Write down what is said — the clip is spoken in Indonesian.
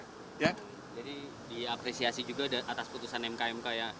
tidak jadi diapresiasi juga atas putusan mk mk ya